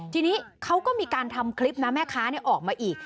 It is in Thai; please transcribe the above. ทีนี้เขาก็มีการทำคลิปนะแม่ค้าออกมาอีก